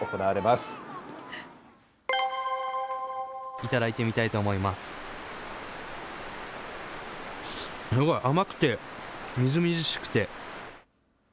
すごい甘くて、みずみずしくて。